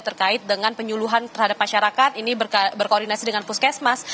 terkait dengan penyuluhan terhadap masyarakat ini berkoordinasi dengan puskesmas